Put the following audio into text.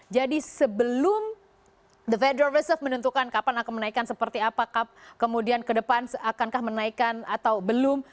jadi sebelum the federal reserve menentukan kapan akan menaikkan seperti apa kemudian ke depan akankah menaikkan atau belum